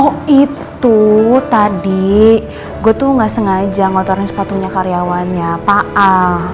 oh itu tadi gue tuh gak sengaja ngotorin sepatunya karyawannya pak a